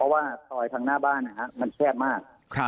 ว่าซอยทางหน้าบ้านมันแคบมาก